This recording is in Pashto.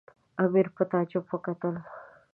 امیر په تعجب وکتل.